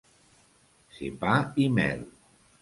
Ser pa i mel.